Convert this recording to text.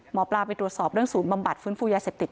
หมอปลาไปตรวจสอบเรื่องศูนย์บำบัดฟื้นฟูยาเสพติด